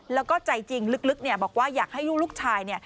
แล้วก็ใจจริงลึกบอกว่าอยากให้ลูกชาย